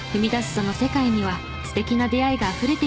その世界には素敵な出会いがあふれています。